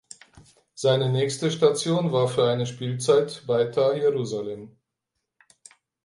Seine nächste Station war für eine Spielzeit Beitar Jerusalem.